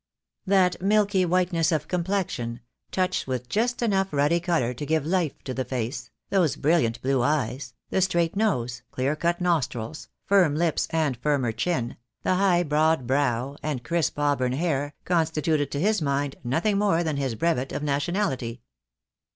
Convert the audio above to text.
That milky white ness of complexion, touched with just enough ruddy colour to give life to the face, those brilliant blue eyes, the straight 44 THE DAY WILL COME. nose, clear cut nostrils, firm lips and firmer chin, the high broad brow, and crisp auburn hair, constituted to his mind nothing more than his brevet of nationality.